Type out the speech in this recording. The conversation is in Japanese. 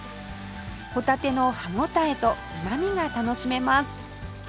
ホタテの歯応えとうまみが楽しめます